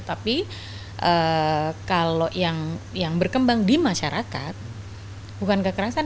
tapi kalau yang berkembang di masyarakat bukan kekerasan